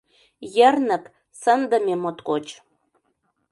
Йырнык, сындыме моткоч.